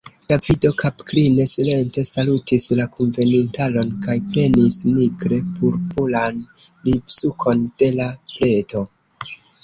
Davido kapkline silente salutis la kunvenintaron kaj prenis nigre purpuran ribsukon de la pleto.